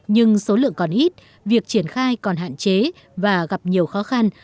nhưng số lượng còn ít việc triển khai còn hạn chế và gặp nhiều khó khăn